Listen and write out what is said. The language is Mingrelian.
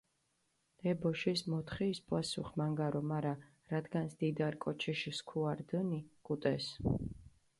ე ბოშის მოთხის პასუხი მანგარო, მარა რადგანს დიდარი კოჩიში სქუა რდჷნი, გუტეს.